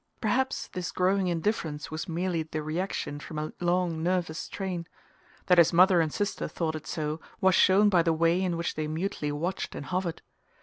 Perhaps this growing indifference was merely the reaction from a long nervous strain: that his mother and sister thought it so was shown by the way in which they mutely watched and hovered.